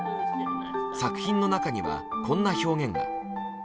作品の中にはこんな表現が。